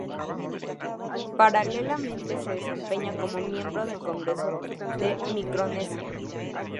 Paralelamente se desempeña como miembro del Congreso de Micronesia.